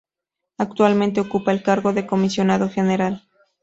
Actualmente ocupa el cargo de Comisionado General.